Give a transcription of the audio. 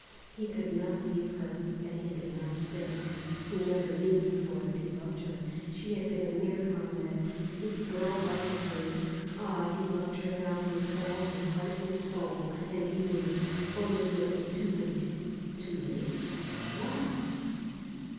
He could not leave her, and he could not stay. He never knew before that he loved her. She had been a mere comrade, this girl wife of his. Ah! he loved her now with all his heart and soul, and he knew it, only when it was too late. Too late? Why?